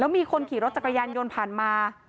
มีคนขี่รถจักรยานยนต์ผ่านมา